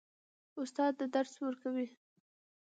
استاد درس ورکوي.